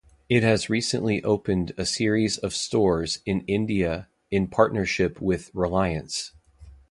It has recently opened a series of stores in India in partnership with Reliance.